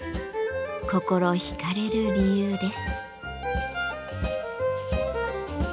心惹かれる理由です。